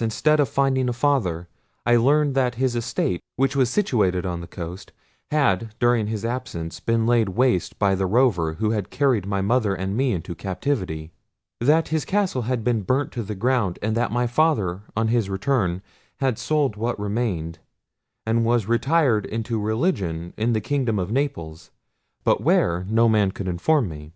instead of finding a father, I learned that his estate, which was situated on the coast, had, during his absence, been laid waste by the Rover who had carried my mother and me into captivity: that his castle had been burnt to the ground, and that my father on his return had sold what remained, and was retired into religion in the kingdom of Naples, but where no man could inform me.